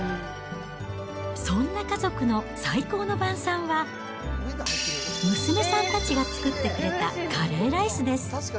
そんな家族の最高の晩さんは、娘さんたちが作ってくれたカレーライスです。